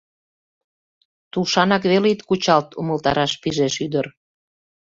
— Тушанак веле от кучалт! — умылтараш пижеш ӱдыр.